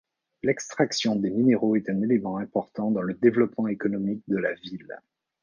L'extraction des minéraux est un élément important dans le développement économique de la ville.